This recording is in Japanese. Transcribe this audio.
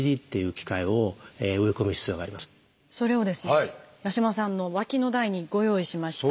それをですね八嶋さんの脇の台にご用意しました。